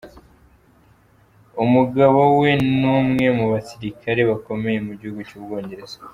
Umugabo we n’umwe mu basirikare bakomeye mu gihugu cy’Ubwongereza.